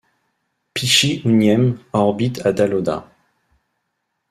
Pichi üñëm orbite à d'Alauda.